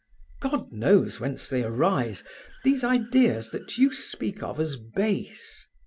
God knows whence they arise, these ideas that you speak of as base.